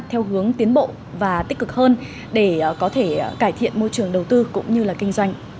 theo hướng tiến bộ và tích cực hơn để có thể cải thiện môi trường đầu tư cũng như là kinh doanh